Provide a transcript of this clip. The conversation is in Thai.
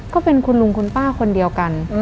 ก็เป็นคุณลุงคุณป้าคนเดียวกัน